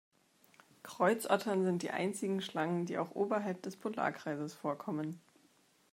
Kreuzottern sind die einzigen Schlangen, die auch oberhalb des Polarkreises vorkommen.